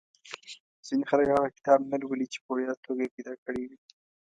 ځینې خلک هغه کتاب نه لولي چې په وړیا توګه یې پیدا کړی وي.